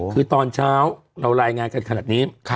คือตอนเช้าเรารายงานกันขนาดนี้